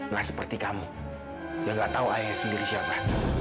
nah seperti kamu yang gak tahu ayah sendiri siapa